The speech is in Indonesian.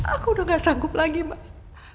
aku udah gak sanggup lagi mas